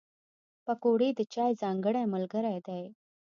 پکورې د چای ځانګړی ملګری دی